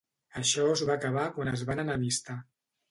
Això es va acabar quan es van enemistar.